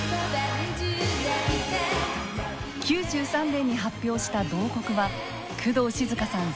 ９３年に発表した「慟哭」は工藤静香さん